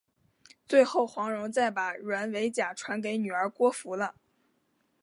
最后黄蓉再把软猬甲传给女儿郭芙了。